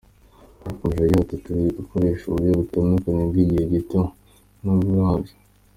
Yakomeje agira ati“Turi gukoresha uburyo butandukanye, ubw’igihe gito n’uburambye.